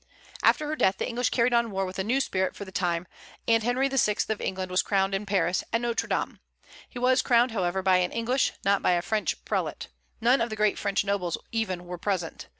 After her death the English carried on war with new spirit for a time, and Henry VI. of England was crowned in Paris, at Notre Dame. He was crowned, however, by an English, not by a French prelate. None of the great French nobles even were present.